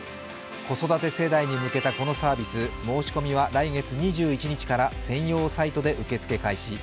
子育て世代に向けたこのサービス、申し込みは来月２１日から専用サイトで受け付け開始。